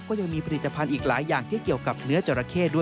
ก็ยังมีผลิตภัณฑ์อีกหลายอย่างที่เกี่ยวกับเนื้อจราเข้ด้วย